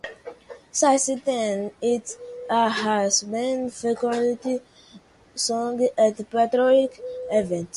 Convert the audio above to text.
Since then, it has been frequently sung at patriotic events.